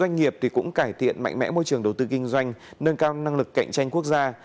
doanh nghiệp cũng cải thiện mạnh mẽ môi trường đầu tư kinh doanh nâng cao năng lực cạnh tranh quốc gia